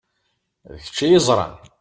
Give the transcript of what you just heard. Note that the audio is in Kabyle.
D kečč i yeẓṛan.